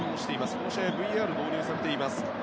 この試合ＶＡＲが導入されています。